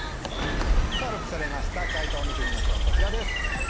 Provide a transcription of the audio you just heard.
さぁＬＯＣＫされました解答を見てみましょうこちらです。